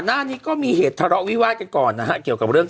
หน้านี้ก็มีเหตุทะเลาะวิวาดกันก่อนนะฮะเกี่ยวกับเรื่อง